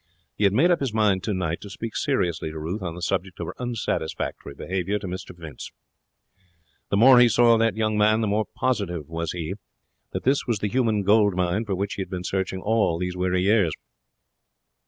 He had made up his mind tonight to speak seriously to Ruth on the subject of her unsatisfactory behaviour to Mr Vince. The more he saw of that young man the more positive was he that this was the human gold mine for which he had been searching all these weary years.